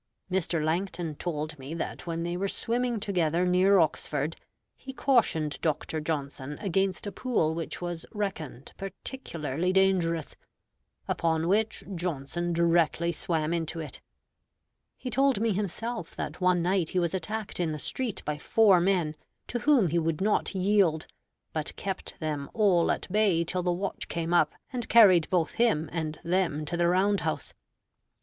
Mr. Langton told me that when they were swimming together near Oxford, he cautioned Dr. Johnson against a pool which was reckoned particularly dangerous; upon which Johnson directly swam into it. He told me himself that one night he was attacked in the street by four men, to whom he would not yield, but kept them all at bay till the watch came up and carried both him and them to the round house.